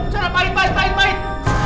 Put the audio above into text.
cara baik baik baik baik